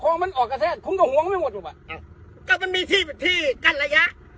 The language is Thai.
ความมันออกกระแทดคุณก็ห่วงไม่หมดหรือเปล่าอ่าก็มันมีที่ที่กั้นระยะ